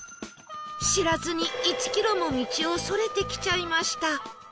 知らずに１キロも道をそれてきちゃいました